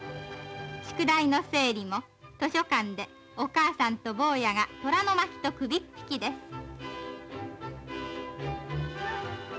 宿題の整理も図書館でお母さんと坊やが虎の巻と首っ引きです。